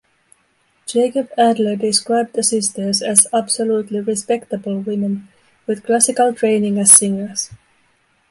Jacob Adler described the sisters as "absolutely respectable" women with classical training as singers.